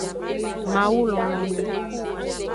Mawu lonlonu.